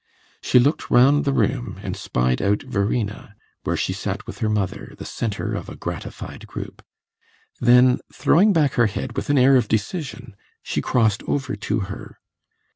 She looked round the room and spied out Verena, where she sat with her mother, the centre of a gratified group; then, throwing back her head with an air of decision, she crossed over to her.